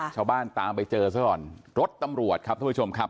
ชาวบ้านตามไปเจอซะก่อนรถตำรวจครับท่านผู้ชมครับ